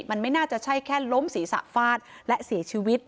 มันไม่น่าจะใช่แค่ล้มศีรษะฟาดและเสียชีวิต